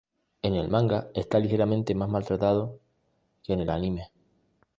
En el manga, está ligeramente más maltratado que en el anime.